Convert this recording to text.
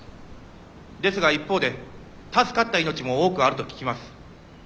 ですが一方で助かった命も多くあると聞きます。